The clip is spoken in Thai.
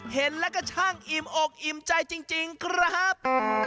เห็นแล้วก็ช่างอิ่มอกอิ่มใจจริงครับ